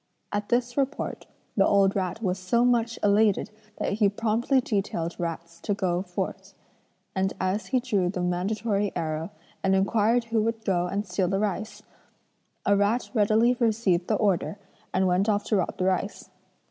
At this report the old rat was so much elated that he promptly detailed rats to go forth; and as he drew the mandatory arrow, and inquired who would go and steal the rice, a rat readily received the order and went off to rob the rice.